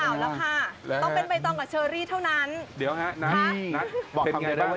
ต้องเป็นใบต้องกับเชอรี่เท่านั้น